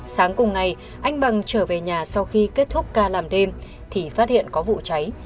sáng cùng ngày anh bằng trở về nhà sau khi kết thúc ca làm đêm thì phát hiện có vụ cháy